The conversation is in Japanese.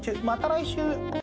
また来週。